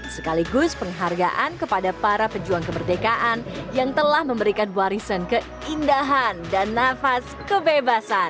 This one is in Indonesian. sekaligus penghargaan kepada para pejuang kemerdekaan yang telah memberikan warisan keindahan dan nafas kebebasan